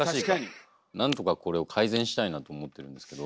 何とかこれを改善したいなと思ってるんですけど。